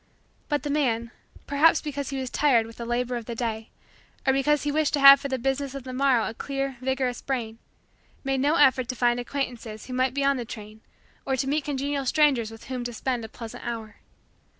But the man, perhaps because he was tired with the labor of the day or because he wished to have for the business of the morrow a clear, vigorous, brain, made no effort to find acquaintances who might be on the train or to meet congenial strangers with whom to spend a pleasant hour.